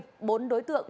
bốn đối tượng chơi game